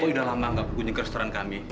udah lama gak kunjung restoran kami